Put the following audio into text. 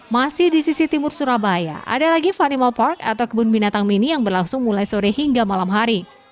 masih di sisi timur surabaya ada lagi funimal park atau kebun binatang mini yang berlangsung mulai sore hingga malam hari